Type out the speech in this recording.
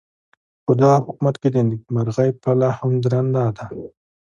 پدغه حکومت کې د نیکمرغۍ پله هم درنده ده.